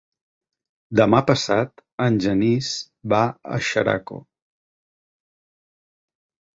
Demà passat en Genís va a Xeraco.